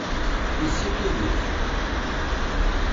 Isekkeḍ-it.